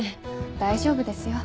大丈夫ですよ。